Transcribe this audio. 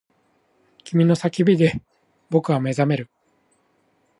君の叫びで僕は目覚める